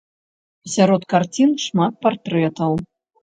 Сярод карцін шмат партрэтаў.